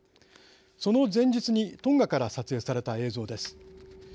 その前日にトンガから撮影された映像です。